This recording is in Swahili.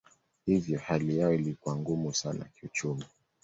Hivyo hali yao ilikuwa ngumu sana kiuchumi.